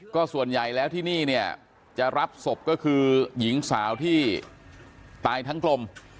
ก็ส่วนใหญ่แล้วที่นี่เนี่ยจะรับศพก็คือหญิงสาวที่ตายทั้งกลม